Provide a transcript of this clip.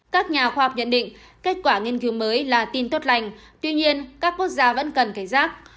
các nhà khoa học nhận định kết quả nghiên cứu mới là tin tốt lành tuy nhiên các quốc gia vẫn cần cảnh giác